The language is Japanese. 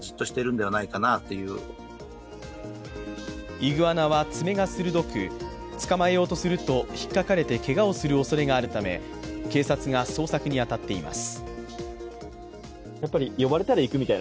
イグアナは爪が鋭く、捕まえようとするとひっかかれてけがをするおそれがあるため警察が捜索に当たっています。